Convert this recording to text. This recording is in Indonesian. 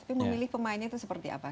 tapi memilih pemainnya itu seperti apa